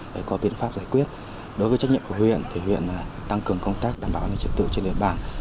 để có biện pháp giải quyết đối với trách nhiệm của huyện thì huyện tăng cường công tác đảm bảo an ninh trật tự trên địa bàn